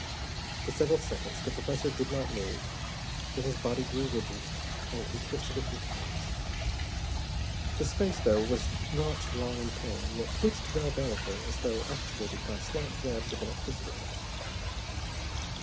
For several seconds the professor did not move. Then his body grew rigid, and he twisted a few times. His face, though not drawn in pain, yet twitched galvanically, as though actuated by slight jabs of electricity.